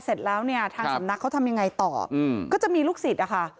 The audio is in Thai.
เสร็จแล้วเนี่ยทางสำนักเขาทำยังไงต่ออืมก็จะมีลูกศิษย์นะคะ